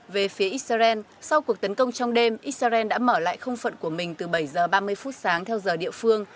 về phía israel sau cuộc tấn công trong đêm israel đã mở lại không phận của mình từ bảy h ba mươi phút sáng theo giờ địa phương